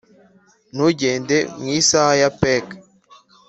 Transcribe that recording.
'ntugende mu isaha ya peke',